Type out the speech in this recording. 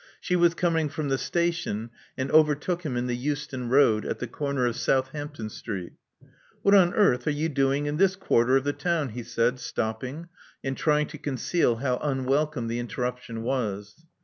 She was coming from the station, and overtook him in the Euston Road, at the corner of Southampton Strieet. '*What on earth are you doing in this quarter of the town?" he said, stopping, and trying to conceal how unwelcome the interruption was.